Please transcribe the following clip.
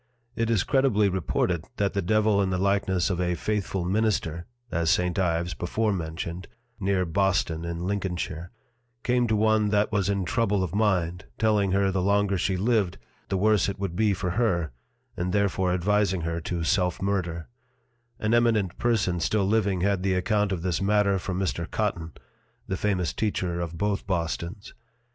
It is credibly reported that the Devil in the likeness of a faithful Minister (as St. Ives before mentioned, near Boston in Lincolnshire) came to one that was in trouble of Mind, telling her the longer she lived, the worse it would be for her; and therefore advising her to Self murder: An eminent Person still living had the account of this Matter from Mr. Cotton (the famous Teacher of both Bostons.)